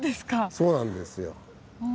そうなんですよ。